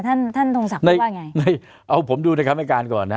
ท่านท่านทงศักดิ์ไม่ว่าไงไม่เอาผมดูในคำให้การก่อนนะ